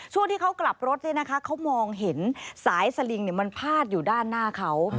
ช่วงที่เขากลับรถเขามองเห็นสายสลิงมันพาดอยู่ด้านหน้าเขา